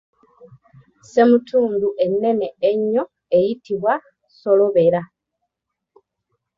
Ssemutundu ennene ennyo eyitibwa solobera.